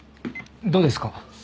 どうですか？